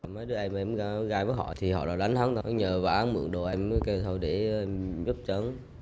mấy đứa em em gai với họ thì họ là đánh thắng thôi nhờ vãng mượn đồ em mới kêu thôi để giúp chấn